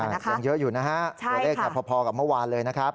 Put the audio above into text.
ยังเยอะอยู่นะฮะตัวเลขพอกับเมื่อวานเลยนะครับ